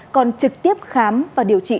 còn trực tiếp khám và điều trị